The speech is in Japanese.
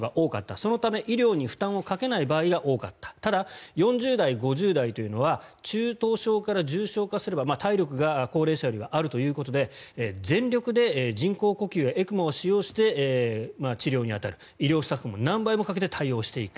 そのため医療に負担をかけない場合が多かったただ、４０代、５０代というのは中等症から重症化すれば体力が高齢者よりはあるということで全力で人工呼吸やＥＣＭＯを使用して治療に当たる医療スタッフも何倍もかけて対応していく。